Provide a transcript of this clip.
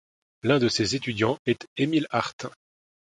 L'un de ses étudiants est Emil Artin.